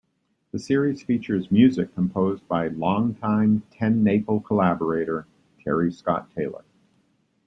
The series features music composed by longtime TenNapel collaborator, Terry Scott Taylor.